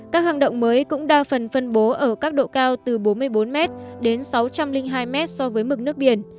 các hang động mới cũng đa phần phân bố ở các độ cao từ bốn mươi bốn m đến sáu trăm linh hai m so với mực nước biển